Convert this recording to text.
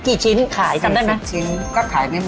กี่ชิ้นขายแล้วก็ทำได้ไหม